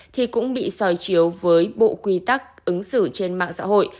thì cũng bị soi chiếu với bộ quy tắc ứng xử trên mạng xã hội